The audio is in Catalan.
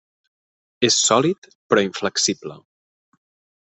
És sòlid, però inflexible.